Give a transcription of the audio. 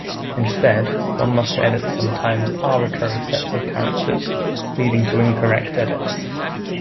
Instead, one must edit sometimes arbitrary sets of characters, leading to incorrect edits.